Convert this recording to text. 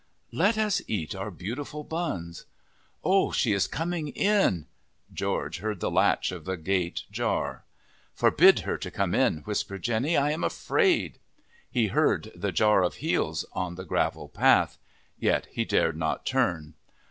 "Let us eat our beautiful buns!" "Oh, she is coming in!" George heard the latch of the gate jar. "Forbid her to come in!" whispered Jenny, "I am afraid!" He heard the jar of heels on the gravel path. Yet he dared not turn.